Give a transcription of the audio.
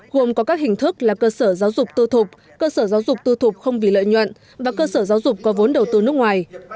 gồm có các hình thức là cơ sở giáo dục tư thục cơ sở giáo dục tư thục không vì lợi nhuận và cơ sở giáo dục có vốn đầu tư nước ngoài